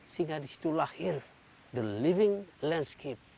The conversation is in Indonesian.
sehingga di situ lahir the living landscape